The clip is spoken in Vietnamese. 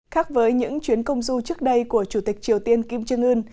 khác với những chuyến công du trước đây của chủ tịch triều tiên kim trương ưn